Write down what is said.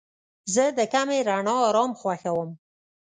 زه د کمې رڼا آرام خوښوم.